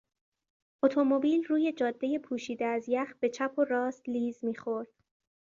اتومبیل روی جادهی پوشیده از یخ به چپ وراست لیز می خورد.